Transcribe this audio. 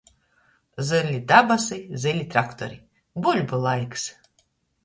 Zyli dabasi, zyli traktori. Buļbu laiks.